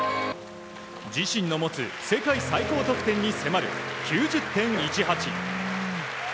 自身の持つ世界最高得点に迫る９０．１８。